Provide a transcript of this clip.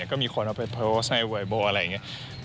ก็มีคนเอาไปโพสต์ในไวโบอะไรอย่างนี้